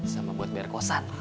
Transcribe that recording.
sama buat merekosan